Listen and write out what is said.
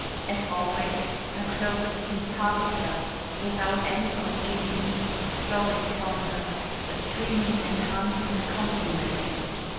As always, her clothes seemed part of her, without ends or beginnings, flowing from her, a streaming enhancing accompaniment.